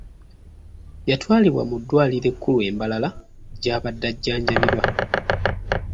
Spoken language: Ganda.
Yatwalibwa mu ddwaliro ekkulu e Mbarara gy’abadde ajjanjabirwa.